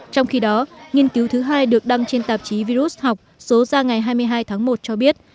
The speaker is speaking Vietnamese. trong khi đó nghiên cứu thứ hai được đăng trên tạp chí virus học số ra ngày hai mươi hai tháng một cho biết